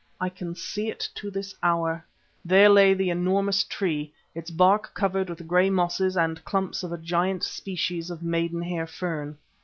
I can see it to this hour. There lay the enormous tree, its bark covered with grey mosses and clumps of a giant species of maidenhair fern.